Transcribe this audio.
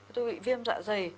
tôi bị viêm dạ dày